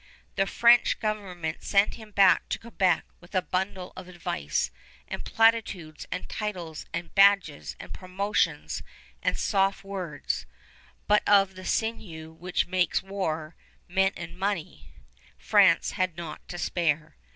The French government sent him back to Quebec with a bundle of advice and platitudes and titles and badges and promotions and soft words, but of the sinew which makes war, men and money, France had naught to spare.